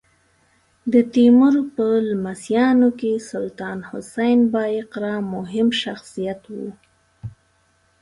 د تیمور په لمسیانو کې سلطان حسین بایقرا مهم شخصیت و.